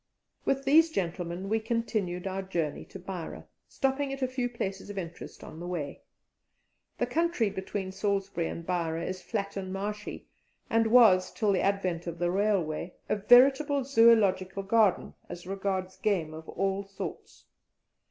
With these gentlemen we continued our journey to Beira, stopping at a few places of interest on the way. The country between Salisbury and Beira is flat and marshy, and was, till the advent of the railway, a veritable Zoological Garden as regards game of all sorts.